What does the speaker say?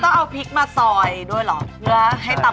ต๋าให้โขลขให้พอแม่เด่นมากเลยนะ